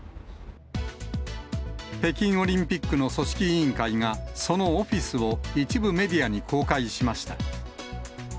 北京オリンピックの組織委員会が、そのオフィスを一部メディアに公開しました。